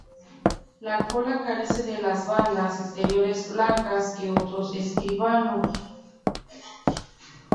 La cola carece de las bandas exteriores blancas que otros escribanos.